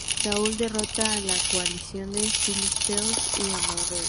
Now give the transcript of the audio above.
Saúl derrota a la coalición de filisteos y amorreos.